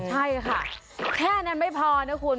ใช่ค่ะแค่นั้นไม่พอนะคุณ